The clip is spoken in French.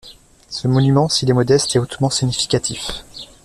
Ce monument, s’il est modeste, est hautement significatif.